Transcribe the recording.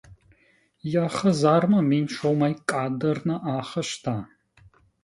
Йӕ хӕдзармӕ мин сомӕй къаддӕр нӕ ахаста!